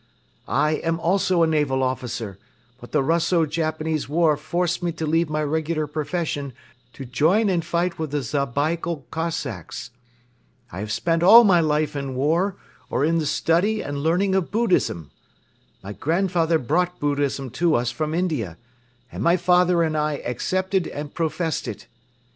I am also a naval officer but the Russo Japanese War forced me to leave my regular profession to join and fight with the Zabaikal Cossacks. I have spent all my life in war or in the study and learning of Buddhism. My grandfather brought Buddhism to us from India and my father and I accepted and professed it.